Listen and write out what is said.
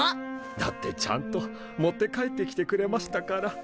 だってちゃんと持って帰ってきてくれましたから。